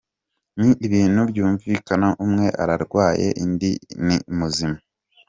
Ni ibintu byumvikana umwe ararwaye indi ni muzima.